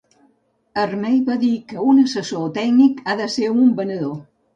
Ermey va dir que un assessor tècnic ha de ser un venedor.